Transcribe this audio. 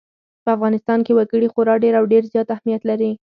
په افغانستان کې وګړي خورا ډېر او ډېر زیات اهمیت لري.